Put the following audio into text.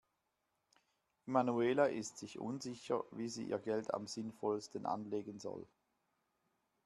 Emanuela ist sich unsicher, wie sie ihr Geld am sinnvollsten anlegen soll.